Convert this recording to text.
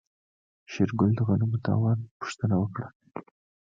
شېرګل د غنمو د تاوان پوښتنه وکړه.